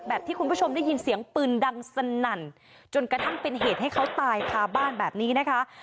ที่คุณผู้ชมได้ยินเสียงปืนดังสนั่นจนกระทั่งเป็นเหตุให้เขาตายคาบ้านแบบนี้นะคะ